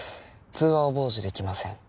通話を傍受できません